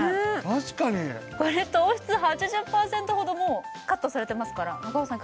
確かにこれ糖質８０％ほどもうカットされてますから中尾さん